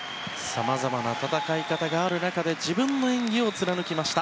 さまざまな戦い方がある中で自分の演技を貫きました。